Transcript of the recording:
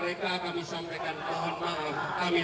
mereka yang mengingatkan kandas